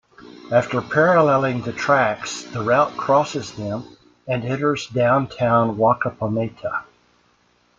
After paralleling the tracks the route crosses them and enters downtown Wapakoneta.